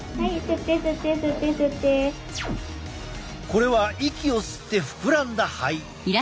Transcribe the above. これは息を吸って膨らんだ肺。